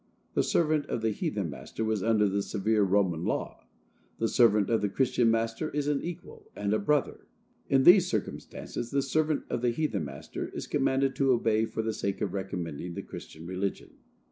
The servant of the heathen master was under the severe Roman law; the servant of the Christian master is an equal, and a brother. In these circumstances, the servant of the heathen master is commanded to obey for the sake of recommending the Christian religion.